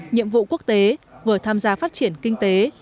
nhiệm vụ quốc tế vừa tham gia phát triển kinh tế